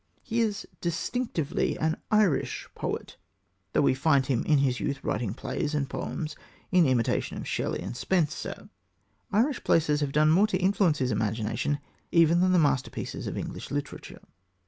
He is distinctively an Irish poet, though we find him in his youth writing plays and poems in imitation of Shelley and Spenser. Irish places have done more to influence his imagination even than the masterpieces of English literature.